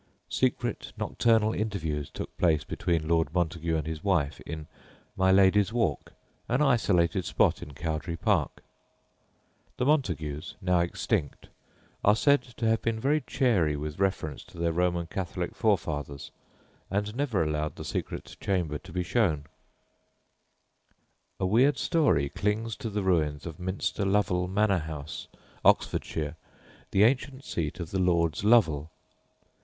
Secret nocturnal interviews took place between Lord Montague and his wife in "My Lady's Walk," an isolated spot in Cowdray Park. The Montagues, now extinct, are said to have been very chary with reference to their Roman Catholic forefathers, and never allowed the secret chamber to be shown. [Footnote 1: See History of a Great English House.] A weird story clings to the ruins of Minster Lovel Manor House, Oxfordshire, the ancient seat of the Lords Lovel.